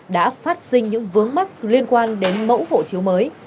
đã phát sinh những vướng mắc liên quan đến mẫu hộ chiếu mới